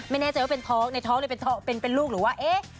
ไม่แน่ใจว่าเป็นท้องในท้องหรือเป็นลูกหรือว่าเอ๊ะ